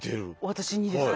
私にですか？